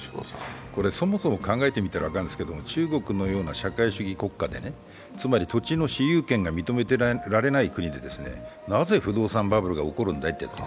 そもそも考えてみたら分かるんですけど中国のような社会主義国、つまり土地の私有権が認められない国でなぜ不動産バブルが起こるんだいと。